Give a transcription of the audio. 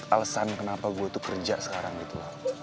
alesan kenapa gue tuh kerja sekarang gitu loh